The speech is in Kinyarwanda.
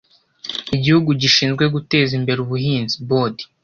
Igihugu gishinzwe guteza imbere Ubuhinzi Board